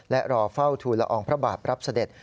และรอเฝ้าทูลละอองพระบาทรับเสด็จ